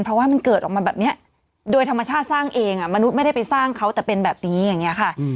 เพราะว่ามันเกิดออกมาแบบนี้โดยธรรมชาติสร้างเองมนุษย์ไม่ได้ไปสร้างเขาแต่เป็นแบบนี้อย่างนี้ค่ะ